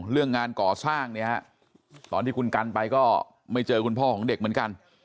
เรื่องงานก่อสร้างเนี่ยฮะตอนที่คุณกันไปก็ไม่เจอคุณพ่อของเด็กเหมือนกัน